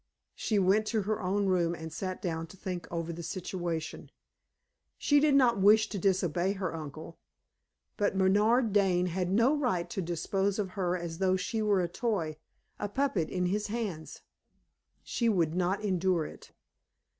She went to her own room and sat down to think over the situation. She did not wish to disobey her uncle; but Bernard Dane had no right to dispose of her as though she were a toy, a puppet in his hands. She would not endure it.